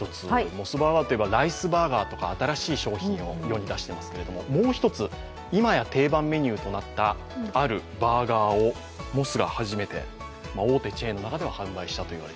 モスバーガーといえばライスバーガーとか新しい商品を世に出してますが、もう一つ今や定番メニューとなったあるバーガーをモスが初めて大手バーガーチェーンで売ったという。